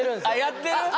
やってる？